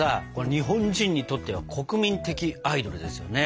日本人にとっては国民的アイドルですよね。